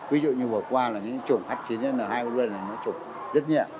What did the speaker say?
ví dụ như vừa qua là những cái chủng h chín n hai của tôi là nó chủng rất nhẹ